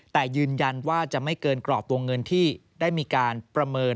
แต่ยืนยันว่าจะไม่เกินกรอบตัวเงินที่ได้มีการประเมิน